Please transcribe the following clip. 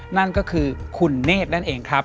นั่นก็คือคุณเนธนั่นเองครับ